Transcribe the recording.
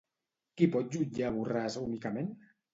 Qui pot jutjar a Borràs únicament?